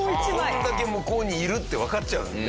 これだけ向こうにいるってわかっちゃうもんね。